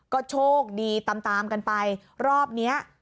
ก็โชคดีตามตามกันไปรอบเนี้ย